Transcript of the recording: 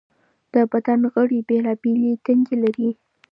د بدن غړي بېلابېلې دندې لري.